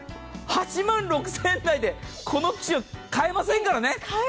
８万６０００円でこの機種買えませんからね！